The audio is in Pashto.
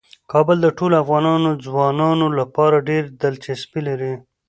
کابل د ټولو افغان ځوانانو لپاره ډیره دلچسپي لري.